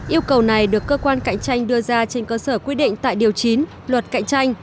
yêu cầu này được cơ quan cạnh tranh đưa ra trên cơ sở quy định tại điều chín luật cạnh tranh